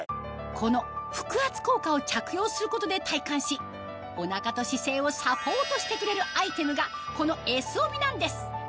この腹圧効果を着用することで体感しお腹と姿勢をサポートしてくれるアイテムがこのＳ帯なんです